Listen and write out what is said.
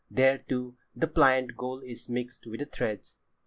There, too, the pliant gold is mixed with the threads."